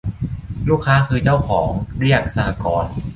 ลูกค้าคือเจ้าของ เรียก สหกรณ์